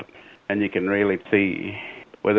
dan anda bisa melihat